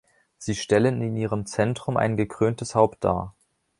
Sie stellen in ihrem Zentrum ein gekröntes Haupt dar.